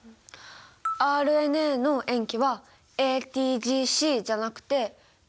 ＲＮＡの塩基は「ＡＴＧＣ」じゃなくて「ＡＵＧＣ」。